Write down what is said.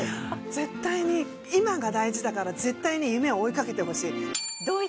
絶対に今が大事だから絶対に夢を追いかけてほしい。